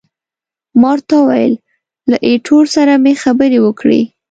ما ورته وویل، له ایټور سره مې خبرې وکړې.